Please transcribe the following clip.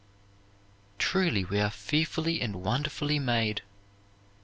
Truly we are fearfully and wonderfully made.